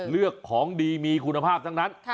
เลือกของดีมีคุณภาพทั้งนั้น